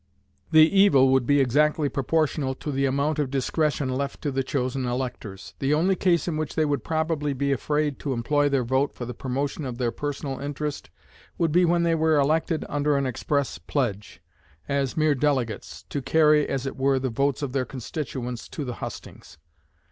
The evil would be exactly proportional to the amount of discretion left to the chosen electors. The only case in which they would probably be afraid to employ their vote for the promotion of their personal interest would be when they were elected under an express pledge, as mere delegates, to carry, as it were, the votes of their constituents to the hustings.